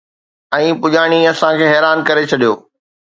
۽ پڄاڻي اسان کي حيران ڪري ڇڏيو